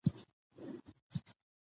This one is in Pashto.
ښځه په واده کې ورکول کېږي